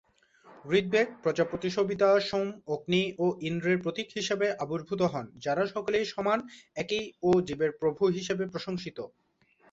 ঋগ্বেদে, প্রজাপতি সবিতা, সোম, অগ্নি ও ইন্দ্রের প্রতীক হিসাবে আবির্ভূত হন, যারা সকলেই সমান, একই ও জীবের প্রভু হিসাবে প্রশংসিত।